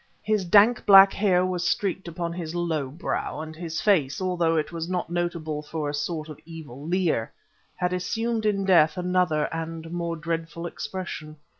His dank black hair was streaked upon his low brow; and his face, although it was notable for a sort of evil leer, had assumed in death another and more dreadful expression.